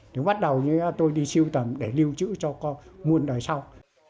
thì bắt đầu như tôi đi siêu tầm để lưu trữ cho con muôn đời sau